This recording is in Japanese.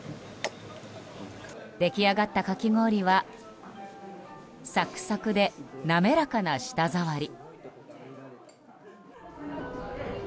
出来上がったかき氷はサクサクで滑らかな舌触り。